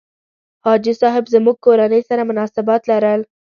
حاجي صاحب زموږ کورنۍ سره مناسبات لرل.